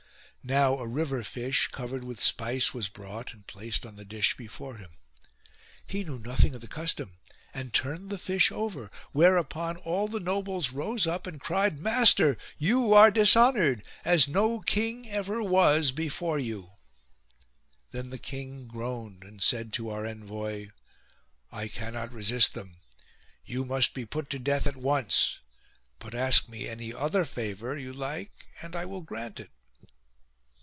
Now, a river fish, covered with spice, was brought and placed on the dish before him. He knew nothing of the custom and turned the fish over whereupon all the nobles rose up and cried :" Master, you are dishonoured, as no king ever was before you." Then the king groaned and said to our envoy :" I cannot resist them : you must be put to death at once : but ask me any other favour you like and I will grant it."